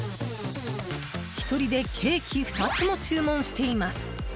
１人でケーキ２つも注文しています。